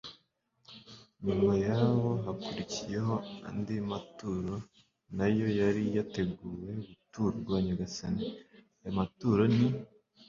nyuma y'abo, hakurikiyeho andi maturo nayo yari yateguwe guturwa nyagasani. ayo maturo ni